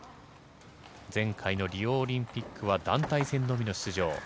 前回のリオオリンピックは団体戦のみの出場。